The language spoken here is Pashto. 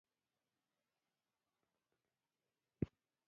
دا بندېدل زړه حجرو ته وینه نه رسوي.